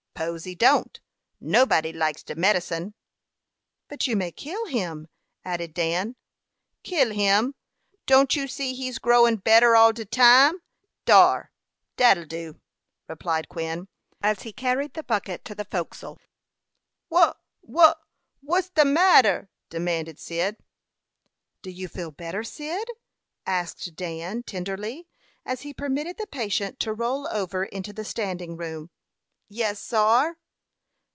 "'Pose he don't; nobody likes de medicine." "But you may kill him," added Dan. "Kill him! Don't you see he's growin better all de time? Dar; dat'll do," replied Quin, as he carried the bucket to the forecastle. "Wha wha what's the matter?" demanded Cyd. "Do you feel better, Cyd?" asked Dan, tenderly, as he permitted the patient to roll over into the standing room. "Yes, sar!